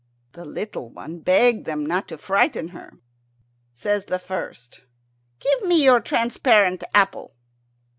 The little one begged them not to frighten her. Says the first, "Give me your transparent apple."